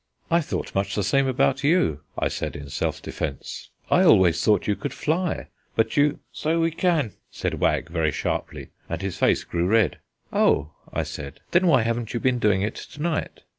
"I thought much the same about you," I said in self defence. "I always thought you could fly, but you " "So we can," said Wag very sharply, and his face grew red. "Oh," I said, "then why haven't you been doing it to night?"